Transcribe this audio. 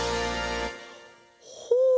ほう！